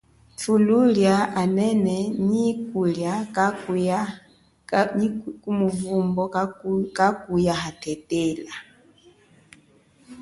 Thujila anene nyi kulia kumuvumbo kakuya hathethela.